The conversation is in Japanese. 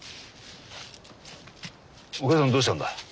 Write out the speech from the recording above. お母さんどうしたんだ？